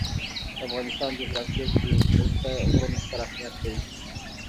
د افغانستان جغرافیه کې اوږده غرونه ستر اهمیت لري.